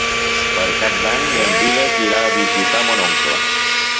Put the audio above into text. Per Cap d'Any en Dídac irà a visitar mon oncle.